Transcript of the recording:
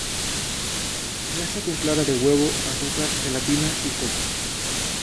Se hace con clara de huevo, azúcar, gelatina y coco.